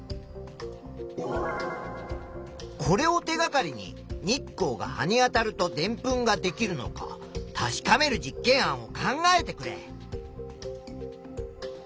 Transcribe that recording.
これを手がかりに日光が葉にあたるとでんぷんができるのか確かめる実験案を考えてくれ。